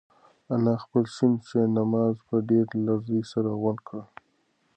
انا خپل شین جاینماز په ډېرې لړزې سره غونډ کړ.